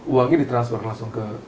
uangnya di transfer langsung ke